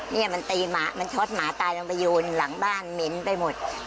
เนี่ยมันตีหมามันช็อตหมาตายลงไปโยนหลังบ้านเหม็นไปหมด